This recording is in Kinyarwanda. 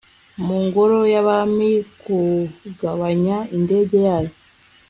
mu ngoro y'abami, kugabanya indege yayo